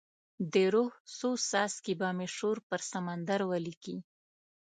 د روح څو څاڅکي به مې شور پر سمندر ولیکې